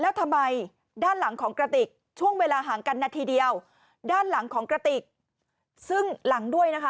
แล้วทำไมด้านหลังของกระติกช่วงเวลาห่างกันนาทีเดียวด้านหลังของกระติกซึ่งหลังด้วยนะคะ